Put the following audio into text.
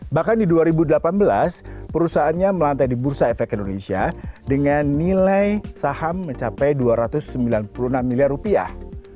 bahkan di dua ribu delapan belas perusahaannya melantai di bursa efek indonesia dengan nilai saham mencapai dua ratus sembilan puluh enam miliar rupiah